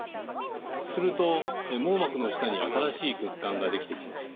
すると網膜の下に新しい血管ができてきます。